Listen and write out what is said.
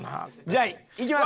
じゃあいきます。